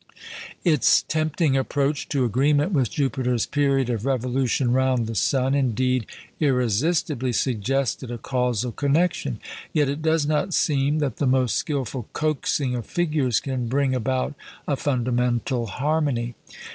Its tempting approach to agreement with Jupiter's period of revolution round the sun, indeed, irresistibly suggested a causal connection; yet it does not seem that the most skilful "coaxing" of figures can bring about a fundamental harmony.